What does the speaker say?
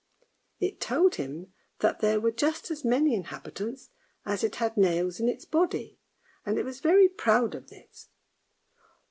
It told him that there were just as many inhabitants as it had nails in its body, and it was very proud of this.